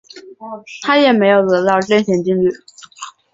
他也没有得到正弦定律。